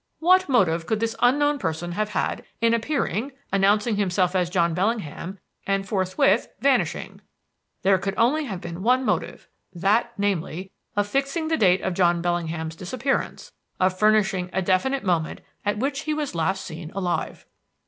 "What motive could this unknown person have had in appearing, announcing himself as John Bellingham, and forthwith vanishing? There could only have been one motive: that, namely, of fixing the date of John Bellingham's disappearance of furnishing a definite moment at which he was last seen alive.